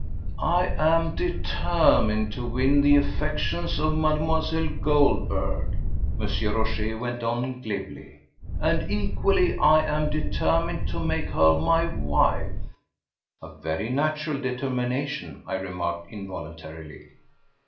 "I am determined to win the affections of Mlle. Goldberg," M. Rochez went on glibly, "and equally am I determined to make her my wife." "A very natural determination," I remarked involuntarily.